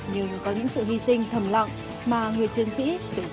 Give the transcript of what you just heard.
nhưng có những sự hy sinh thầm lặng mà người chiến sĩ phải giữ cho dân mình